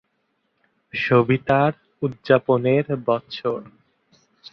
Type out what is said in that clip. সবিতার উদ্যাপনের বছর